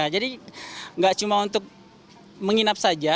jadi gak cuma untuk menginap saja